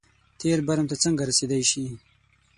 تېر برم ته څنګه رسېدای شي.